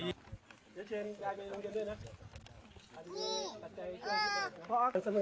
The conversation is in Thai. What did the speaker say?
อีกอย่าง